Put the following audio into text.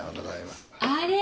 あれ！